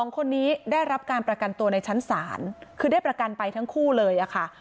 ๒คนนี้ได้รับการประกันตัวในชั้นศาลคือได้ประกันไปทั้งคู่เลยค่ะ